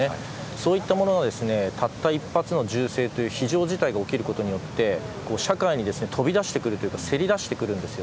そういったものをたった一発の銃声という非常事態が起きることによって社会に飛び出してくるせり出してくるんです。